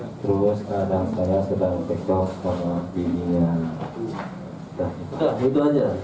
terus kadang saya sedang cekcok sama bibinya